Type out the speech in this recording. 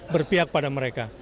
berpihak pada mereka